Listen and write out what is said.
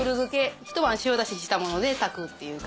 一晩塩出ししたもので炊くっていう。